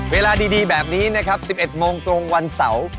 เวลาดีแบบนี้นะครับ๑๑โมงตรงวันเสาร์